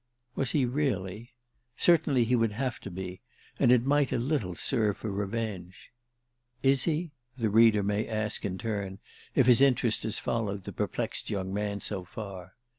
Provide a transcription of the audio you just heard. Was he really? Certainly he would have to be, and it might a little serve for revenge. Is he? the reader may ask in turn, if his interest has followed the perplexed young man so far.